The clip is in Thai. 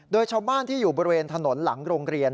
โดยชาวบ้านที่อยู่บริเวณถนนหลังโรงเรียน